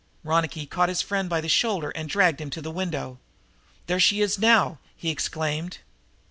Ronicky caught his friend by the shoulders and dragged him to the window. "There she is now!" he exclaimed.